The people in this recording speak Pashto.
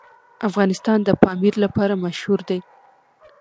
افغانستان د پامیر لپاره مشهور دی.